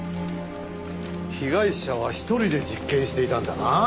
被害者は一人で実験していたんだな？